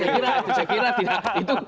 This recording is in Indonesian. oh tidak saya kira tidak